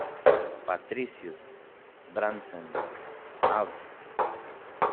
Patricios, Brandsen, Av.